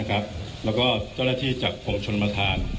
และนักธรรมที่จากชมชลมธาร